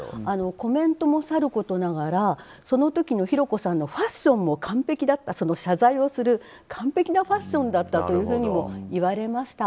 コメントもさることながらその時の寛子さんのファッションも完璧だった謝罪をする完璧なファッションだったというふうにも言われました。